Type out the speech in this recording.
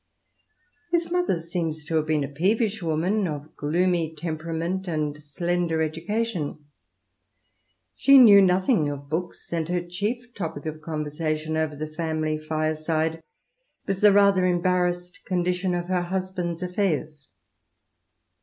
His mother seems to have been a peevish woman, of gloomy temperament and slender education. She knew nothing of books, and her chief topic of conversation over the family fireside was the rather embarrassed con dition of her husband's affairs.